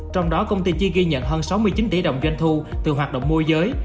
trong đó công ty chỉ ghi nhận hơn sáu mươi chín tỷ đồng doanh thu từ hoạt động môi giới